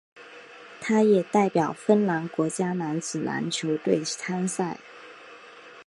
他也代表芬兰国家男子篮球队参赛。